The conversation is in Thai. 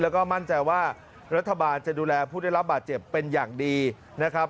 แล้วก็มั่นใจว่ารัฐบาลจะดูแลผู้ได้รับบาดเจ็บเป็นอย่างดีนะครับ